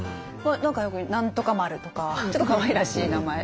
よく「何とか丸」とかちょっとかわいらしい名前。